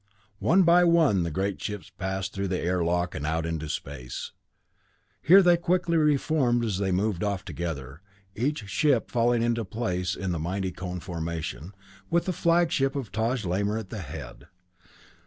One by one the giant ships passed through the airlock and out into space. Here they quickly reformed as they moved off together, each ship falling into its place in the mighty cone formation, with the flagship of Taj Lamor at the head.